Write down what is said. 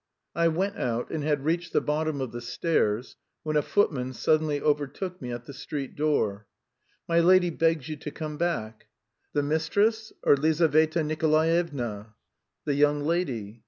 I went out and had reached the bottom of the stairs when a footman suddenly overtook me at the street door. "My lady begs you to come back...." "The mistress, or Lizaveta Nikolaevna?" "The young lady."